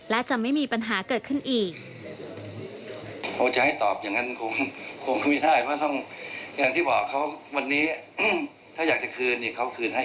และจะไม่มีปัญหาเกิดขึ้นอีก